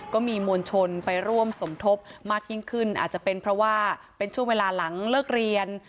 ก็มีมวลชนไปร่วมสมทบมากยิ่งขึ้นอาจจะเป็นเพราะว่าเป็นช่วงเวลาหลังเลิกเรียน